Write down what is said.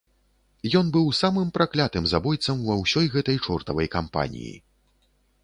Ён быў самым праклятым забойцам ва ўсёй гэтай чортавай кампаніі!